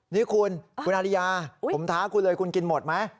นี่คุณคุณอาริยาผมท้าคุณเลยคุณกินหมดไหม